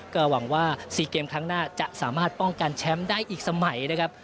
ก็หวังว่า๔เกมครั้งหน้าจะสามารถป้องกันแชมป์ได้อีกสมัยนะครับ